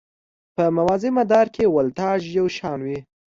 په موازي مدار کې ولتاژ یو شان وي.